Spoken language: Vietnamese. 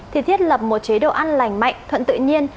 thì thiết lập một chế độ ăn lành mạnh thuận tự nhiên